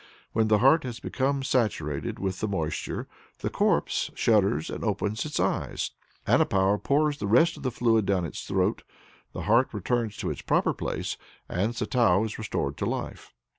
When the heart has become saturated with the moisture, the corpse shudders and opens its eyes. Anepou pours the rest of the fluid down its throat, the heart returns to its proper place, and Satou is restored to life.